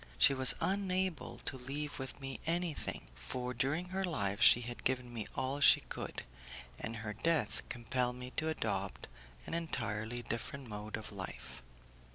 She was unable to leave me anything, for during her life she had given me all she could, and her death compelled me to adopt an entirely different mode of life.